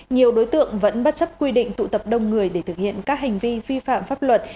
nhiều đối tượng vẫn bất chấp quy định tụ tập đông người để thực hiện các hành vi vi phạm pháp luật